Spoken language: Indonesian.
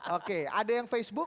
oke ada yang facebook